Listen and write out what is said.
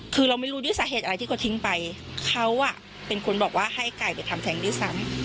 คือเราไม่รู้ด้วยสาเหตุอะไรที่เขาทิ้งไปเขาเป็นคนบอกว่าให้ไก่ไปทำแทงด้วยซ้ำ